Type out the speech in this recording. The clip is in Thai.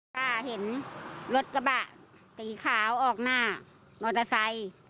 ค่ะเห็นรถกระบะสีขาวออกหน้ามอเตอร์ไซค์